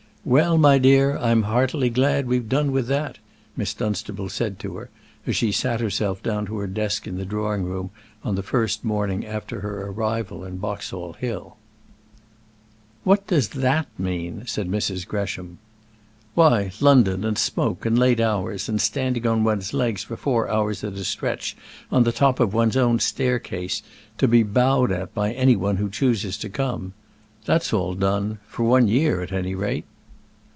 "Well, my dear, I am heartily glad we've done with that," Miss Dunstable said to her, as she sat herself down to her desk in the drawing room on the first morning after her arrival at Boxall Hill. [Illustration: Mrs. Gresham and Miss Dunstable.] "What does 'that' mean?" said Mrs. Gresham. "Why, London and smoke and late hours, and standing on one's legs for four hours at a stretch on the top of one's own staircase, to be bowed at by any one who chooses to come. That's all done for one year, at any rate."